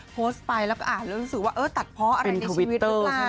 โพสต์ไปแล้วก็อ่านแล้วรู้สึกว่าเออตัดเพราะอะไรในชีวิตหรือเปล่า